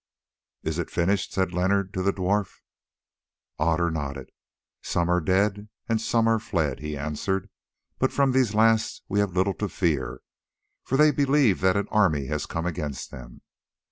"Is it finished?" said Leonard to the dwarf. Otter nodded. "Some are dead and some are fled," he answered; "but from these last we have little to fear, for they believe that an army has come against them.